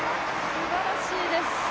すばらしいです。